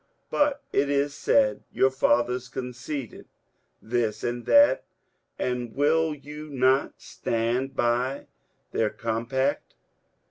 But, it is said, your fathers conceded this and that, and will you not stand by their compact?